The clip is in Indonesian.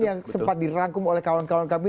yang sempat dirangkum oleh kawan kawan kami